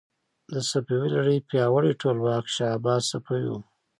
د صفوي لړۍ پیاوړی ټولواک شاه عباس صفوي و.